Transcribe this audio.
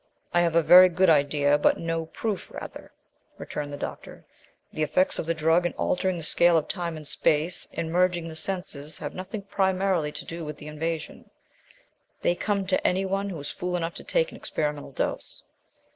"I have a very good idea, but no proof rather," returned the doctor. "The effects of the drug in altering the scale of time and space, and merging the senses have nothing primarily to do with the invasion. They come to any one who is fool enough to take an experimental dose.